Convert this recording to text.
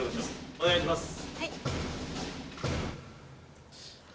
お願いします